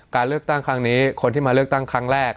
การเลือกตั้งครั้งนี้คนที่มาเลือกตั้งครั้งแรก